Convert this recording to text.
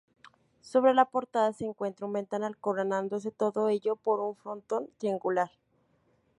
Sobre la portada se encuentra un ventanal, coronándose todo ello por un frontón triangular.